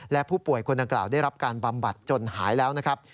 และผู้ป่วยคนดังกล่าวได้รับการบำบัดจนหายแล้วนะครับ